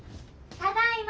ただいま。